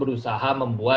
beri kata kata dia sendiri